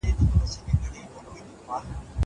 زه اوږده وخت تمرين کوم!!